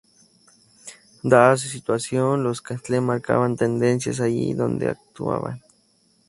Dada su situación, los Castle marcaban tendencias allí donde actuaban.